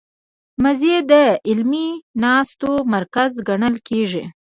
مېز د علمي ناستو مرکز ګڼل کېږي.